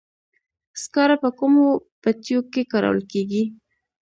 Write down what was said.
سکاره په کومو بټیو کې کارول کیږي؟